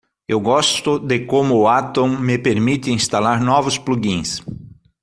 Eu gosto de como o Atom me permite instalar novos plugins.